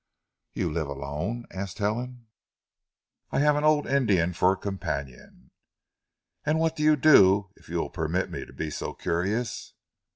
"You live alone?" asked Helen. "I have an old Indian for companion." "And what do you do, if you will permit me to be so curious?"